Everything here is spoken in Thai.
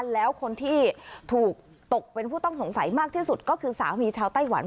แล้วคนที่ถูกตกเป็นผู้ต้องสงสัยมากที่สุดก็คือสามีชาวไต้หวัน